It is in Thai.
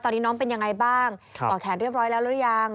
ตอนนี้น้องเป็นยังไงบ้างต่อแขนเรียบร้อยแล้วหรือยัง